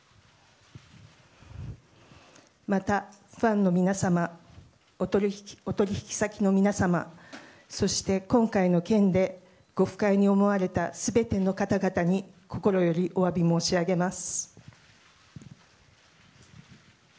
また、ファンの皆様お取引先の皆様そして今回の件でご不快に思われた全ての方々に心よりお詫び申し上げます。